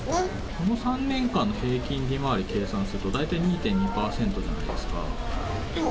この３年間の平均利回り計算すると大体２．２％じゃないですはい。